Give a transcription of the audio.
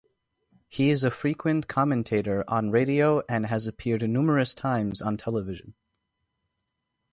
He is a frequent commentator on radio and has appeared numerous times on television.